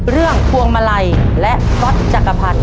เรื่องภวงมาลัยและก็จักรผัน